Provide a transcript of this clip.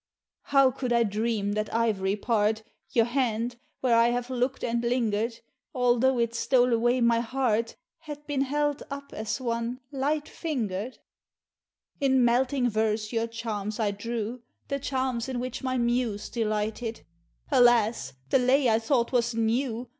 How could I dream that ivory part, Your hand where I have look'd and linger'd, Altho' it stole away my heart, Had been held up as one light fingered! In melting verse your charms I drew, The charms in which my muse delighted Alas! the lay I thought was new.